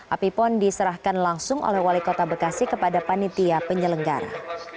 api pon diserahkan langsung oleh wali kota bekasi kepada panitia penyelenggara